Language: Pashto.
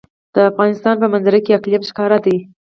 د افغانستان په منظره کې اقلیم ښکاره ده.